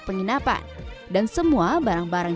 penginapan dan semua barang barang